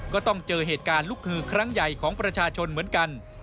ก็ต้องเจอเหตุการณ์ลุกคือครั้งใหญ่ของประชาชนเหมือนกัน